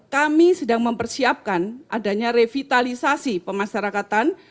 kami sedang mempersiapkan adanya revitalisasi pemasarakatan